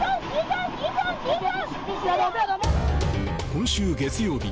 今週月曜日